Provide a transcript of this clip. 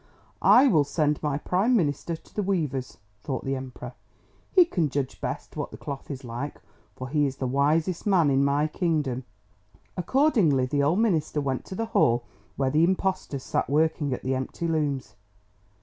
"I will send my prime minister to the weavers," thought the Emperor. "He can judge best what the cloth is like, for he is the wisest man in my kingdom." Accordingly the old minister went to the hall where the impostors sat working at the empty looms.